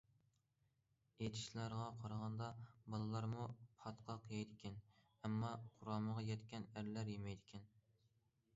ئېيتىشلارغا قارىغاندا بالىلارمۇ پاتقاق يەيدىكەن، ئەمما قۇرامىغا يەتكەن ئەرلەر يېمەيدىكەن.